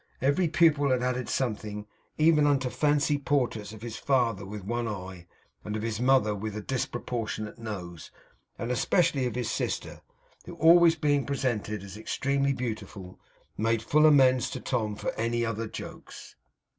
Every pupil had added something, even unto fancy portraits of his father with one eye, and of his mother with a disproportionate nose, and especially of his sister; who always being presented as extremely beautiful, made full amends to Tom for any other jokes.